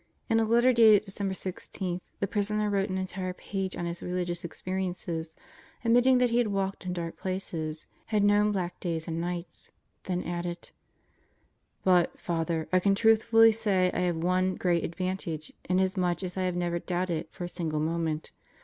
In a letter dated December 16, the prisoner wrote an entire page on his religious experiences, admitting that he had walked in dark places, had known black days and nights, then added: But, Father, I can truthfully say I have had one great advantage in as much as I have never doubted for a single moment.